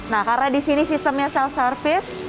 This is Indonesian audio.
nah karena di sini sistemnya self service